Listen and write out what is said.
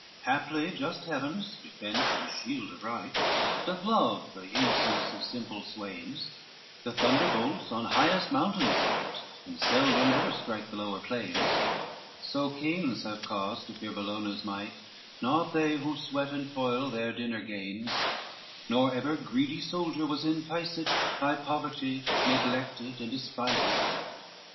IX "Haply just Heaven's defence and shield of right Doth love the innocence of simple swains, The thunderbolts on highest mountains light, And seld or never strike the lower plains; So kings have cause to fear Bellona's might, Not they whose sweat and toil their dinner gains, Nor ever greedy soldier was enticed By poverty, neglected and despised.